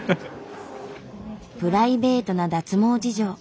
プライベートな脱毛事情。